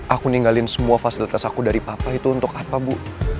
aku ninggalin semua fasilitas aku dari papa itu untuk apa bu